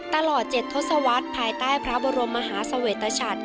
ตลอดเจ็ดทศวรรษภายใต้พระบรมมหาสเวตชัตริย์